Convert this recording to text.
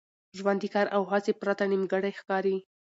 ژوند د کار او هڅي پرته نیمګړی ښکاري.